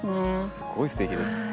すごいすてきです。